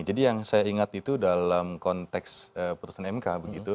jadi yang saya ingat itu dalam konteks putusan mk begitu